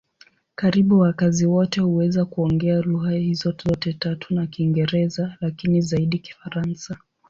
Karibu wakazi wote huweza kuongea lugha hizo zote tatu na Kiingereza, lakini zaidi Kifaransa.